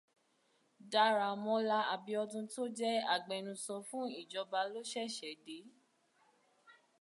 Dáramọ́la Abíọ́dún tó jé agbenusọ fún ìjọba ló ṣẹ̀ṣẹ̀ dé